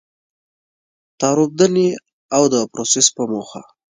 تار اوبدنې او د پروسس په موخه.